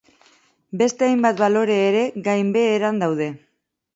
Beste hainbat balore ere gainbeheran daude.